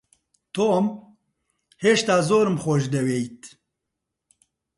تۆم، هێشتا زۆرم خۆش دەوێیت.